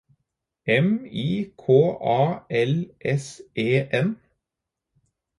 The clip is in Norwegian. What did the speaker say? M I K A L S E N